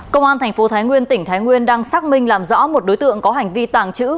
công an thành phố thái nguyên tỉnh thái nguyên đang xác minh làm rõ một đối tượng có hành vi tàng trữ